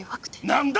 何だ？